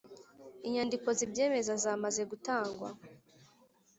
inyandiko zibyemeza zamaze gutangwa